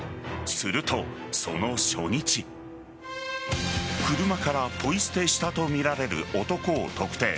すると、その初日車からポイ捨てしたとみられる男を特定。